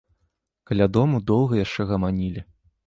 Каля дому доўга яшчэ гаманілі.